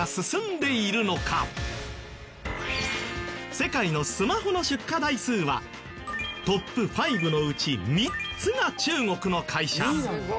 世界のスマホの出荷台数はトップ５のうち３つが中国の会社。